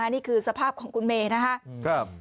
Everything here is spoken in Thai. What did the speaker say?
นี่คือสภาพของคุณเมย์นะครับ